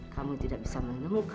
kamu tidak bisa menemukan